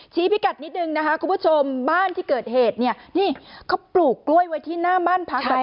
พิกัดนิดนึงนะคะคุณผู้ชมบ้านที่เกิดเหตุเนี่ยนี่เขาปลูกกล้วยไว้ที่หน้าบ้านพัก